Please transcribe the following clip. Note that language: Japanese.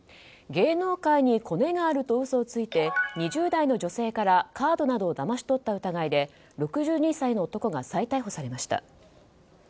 芸能界にコネがあると嘘をついて２０代の女性からカードなどをだまし取った疑いで６２歳の男が再逮捕されました。